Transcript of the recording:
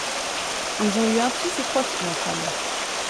Ils ont eu un fils et trois filles ensemble.